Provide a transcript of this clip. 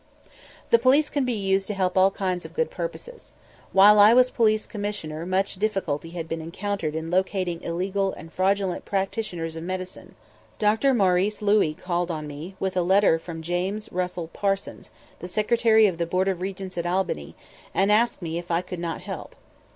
The police can be used to help all kinds of good purposes. When I was Police Commissioner much difficulty had been encountered in locating illegal and fraudulent practitioners of medicine. Dr. Maurice Lewi called on me, with a letter from James Russell Parsons, the Secretary of the Board of Regents at Albany, and asked me if I could not help.